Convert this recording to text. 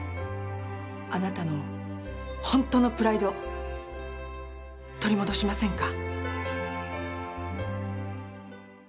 あなたのホントのプライド取り戻しませんか？